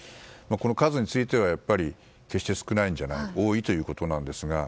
この数については決して少ないんじゃない多いということなんですが。